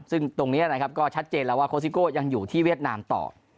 ซึ่งตรงนี้นะครับก็ชัดเจนแล้วว่าโคสิโก้ยังอยู่ที่เวียดนามต่อ